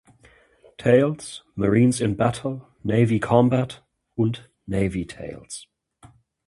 Tales", "Marines in Battle", "Navy Combat" und "Navy Tales".